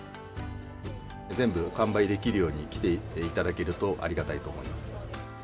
全部完売できるように、来ていただけると、ありがたいと思います。